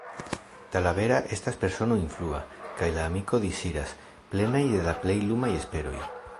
Talabera estas persono influa, kaj la amikoj disiras, plenaj de la plej lumaj esperoj.